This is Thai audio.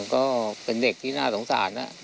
ก็เป็นเด็กที่น่าสงสาร